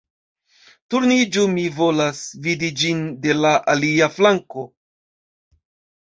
Turniĝu mi volas vidi ĝin de la alia flanko